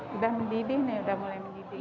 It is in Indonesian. sudah mendidih nih udah mulai mendidih